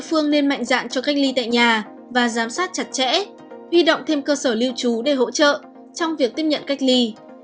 phương nên mạnh dạng cho cách ly tại nhà và giám sát chặt chẽ huy động thêm cơ sở lưu trú để hỗ trợ trong việc tiếp nhận cách ly